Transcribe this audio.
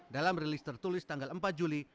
dalam rilis tertulis tanggal empat juli